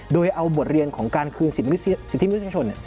โดยเอาบทเรียนของการคืนสิทธิมนุษยชน